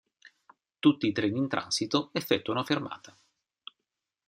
Tutti i treni in transito effettuano fermata.